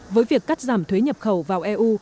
với việc cắt giảm thuế nhập khẩu vào eu